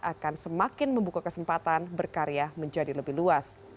akan semakin membuka kesempatan berkarya menjadi lebih luas